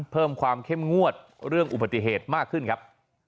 เพิ่มความเข้มงวดเรื่องอุบัติเหตุมากขึ้นครับ